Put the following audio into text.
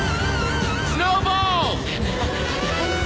スノーボール！